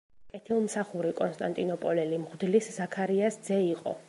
კეთილმსახური კონსტანტინოპოლელი მღვდლის, ზაქარიას ძე იყო.